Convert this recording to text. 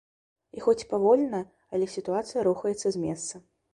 І хоць павольна, але сітуацыя рухаецца з месца.